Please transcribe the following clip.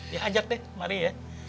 ya ajak deh kemari ya